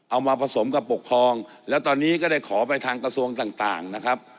เอามาผสมกับปกครองแล้วตอนนี้ก็ได้ขอไปทางกระทรวงต่างต่างนะครับ